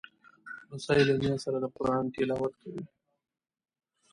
لمسی له نیا سره د قرآن تلاوت کوي.